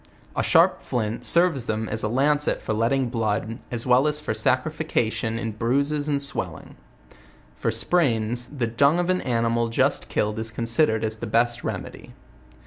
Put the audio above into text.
A sharp flint serves them as a lan cet for letting blood, as well as for sacrification in bruises and swellings. For sprains, the dung of an animal just kill ed is considered as the best remedy.